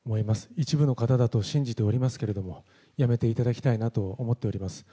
一部の方だと信じておりますけれども、やめていただきたいなと思っております。